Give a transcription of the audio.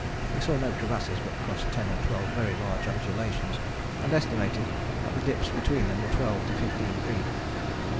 We saw no crevasses but crossed ten or twelve very large undulations, and estimated that the dips between them were twelve to fifteen feet.